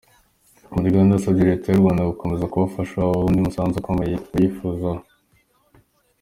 Muligande yasabye leta y’u Rwanda gukomeza kubafasha mu wundi musanzu ukomeye bayifuzaho.